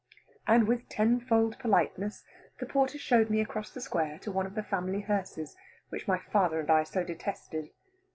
And with tenfold politeness the porter showed me across the square to one of the family hearses, which my father and I so detested.